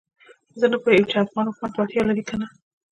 زه نه پوهېږم چې افغان حکومت وړتیا لري کنه.